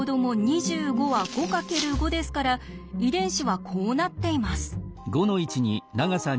２５は５×５ですから遺伝子はこうなっています。